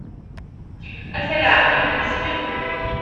Ata leɛqel-iw yesleb.